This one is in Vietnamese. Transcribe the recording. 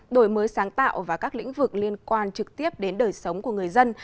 đổi mới sáng tạo và các lĩnh vực liên quan trực tiếp đến đời sống của người dân